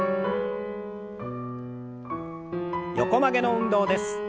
横曲げの運動です。